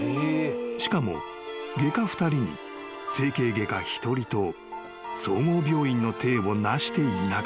［しかも外科２人に整形外科１人と総合病院の体をなしていなかった］